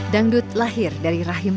dangdut lahir dari rakyat